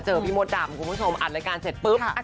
พี่มดดำคุณผู้ชมอัดรายการเสร็จปุ๊บ